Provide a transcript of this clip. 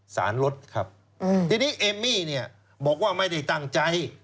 สารลดครับทีนี้เอมมี่เนี่ยบอกว่าไม่ได้ตั้งใจ